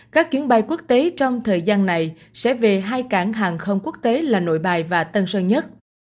các chuyến bay quốc tế trong thời gian này sẽ về hai cảng hàng không quốc tế là nội bài và tân sơn nhất